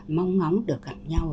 mong ngóng được gặp nhau